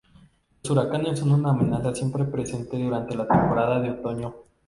Los huracanes son una amenaza siempre presente durante la temporada de otoño.